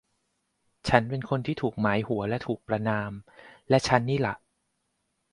ฉันเป็นคนที่ถูกหมายหัวและถูกประณาม และฉันนี่ล่ะ